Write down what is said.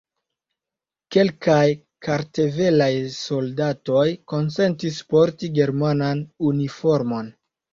Kelkaj kartvelaj soldatoj konsentis porti germanan uniformon.